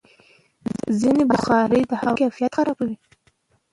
ځینې بخارۍ د هوا کیفیت خرابوي.